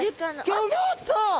ギョギョッと！